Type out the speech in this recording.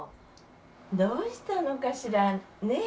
どうしたのかしらね？